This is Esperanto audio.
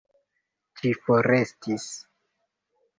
Ĝi forestis.